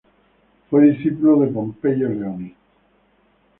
Fue discípulo de Pompeyo Leoni.